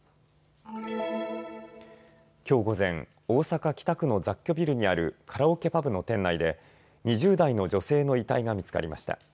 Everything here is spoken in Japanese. きょう午前、大阪北区の雑居ビルにあるカラオケパブの店内で２０代の女性の遺体が見つかりました。